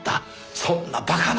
そんな馬鹿な！